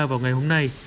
vào ngày hôm nay